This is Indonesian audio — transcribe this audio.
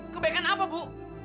kebaikan apa bu